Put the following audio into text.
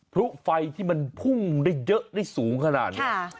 ไฟที่มันพุ่งได้เยอะได้สูงขนาดนี้